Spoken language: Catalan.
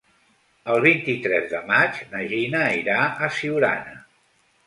El vint-i-tres de maig na Gina irà a Siurana.